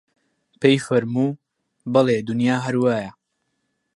پێی فەرموو: بەڵێ دونیا هەر وایە